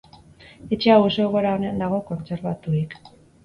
Etxe hau oso egoera onean dago kontserbaturik.